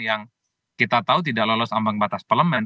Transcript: yang kita tahu tidak lolos ambang batas parlemen